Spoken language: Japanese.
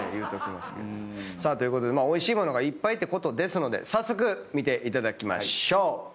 さあということでおいしい物がいっぱいってことですので早速見ていただきましょう。